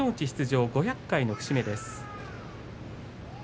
出場５００回の節目です。